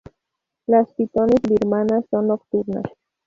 Las pitones birmanas son nocturnas.